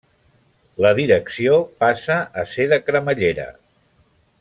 La direcció passa a ser de cremallera.